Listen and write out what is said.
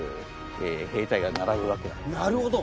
なるほど。